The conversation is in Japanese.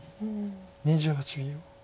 ２８秒。